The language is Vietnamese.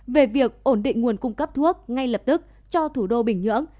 về việc ổn định nguồn cung cấp thuốc ngay lập tức cho thủ đô bình nhưỡng